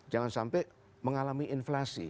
jangan sampai mengalami inflasi